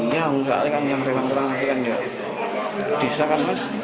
yang ini yang lebat orang itu kan tidak bisa kan mas